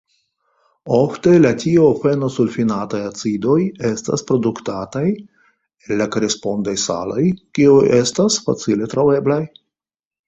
Ofte la tiofenosulfinataj acidoj estas produktataj el la korespondaj saloj kiuj estas facile troveblaj.